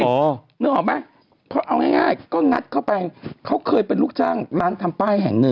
นะหรือเปล่าเอาง่ายก็งัดเข้าไปเค้าเคยเป็นลูกช่างร้านทำไป้แห่งนึง